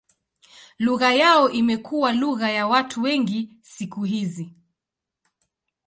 Lugha yao imekuwa lugha ya watu wengi siku hizi.